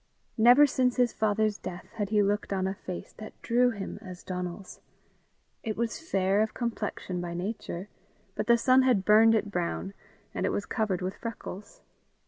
Never since his father's death had he looked on a face that drew him as Donal's. It was fair of complexion by nature, but the sun had burned it brown, and it was covered with freckles.